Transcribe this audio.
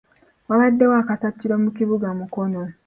Wabaddewo akasattiro mu kibuga Mukono.